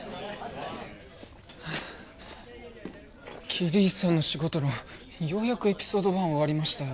桐石さんの仕事論ようやくエピソードワン終わりましたよ。